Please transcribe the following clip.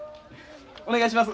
お願いします。